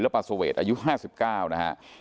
ศิลปาโสเวฬอายุ๕๙นะฮะ